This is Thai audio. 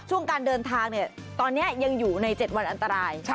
การเดินทางตอนนี้ยังอยู่ใน๗วันอันตราย